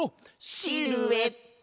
シルエット！